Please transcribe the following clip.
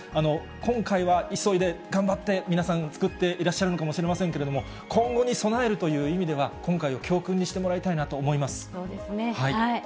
今回は急いで頑張って皆さん作ってらっしゃるのかもしれませんけれども、今後に備えるという意味では、今回を教訓にしてもらいたそうですね。